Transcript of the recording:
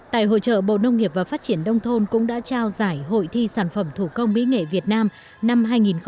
tại hội trợ bộ nông nghiệp và phát triển đông thôn cũng đã trao giải hội thi sản phẩm thủ công mỹ nghệ việt nam năm hai nghìn một mươi chín